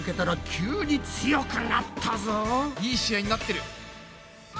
いい試合になってる。